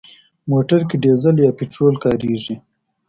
موټر کې ډيزل یا پټرول کارېږي.